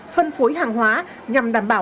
phân phối hàng hóa nhằm đảm bảo